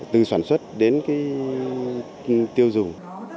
từ sản xuất đến tiêu dùng